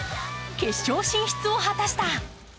決勝進出を果たした。